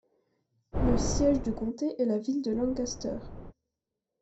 Le siège du comté est la ville de Lancaster.